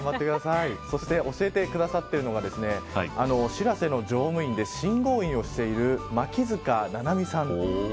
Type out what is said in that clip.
そして教えてくださっているのがしらせの乗務員で信号員をしている槙塚菜々美さん。